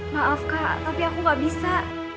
maaf kak tapi aku gak bisa